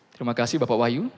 terima kasih bapak wayu